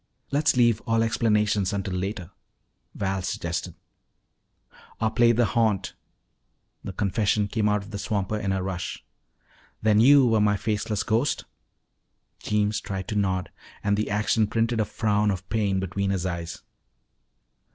"Let's leave all explanations until later," Val suggested. "Ah played haunt!" the confession came out of the swamper in a rush. "Then you were my faceless ghost?" Jeems tried to nod and the action printed a frown of pain between his eyes.